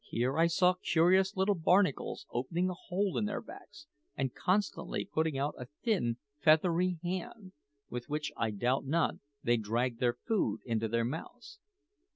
Here I saw curious little barnacles opening a hole in their backs and constantly putting out a thin, feathery hand, with which, I doubt not, they dragged their food into their mouths.